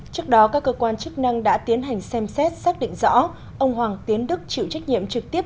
trước đó các cơ quan chức năng đã tiến hành xem xét xác định rõ ông hoàng tiến đức chịu trách nhiệm trực tiếp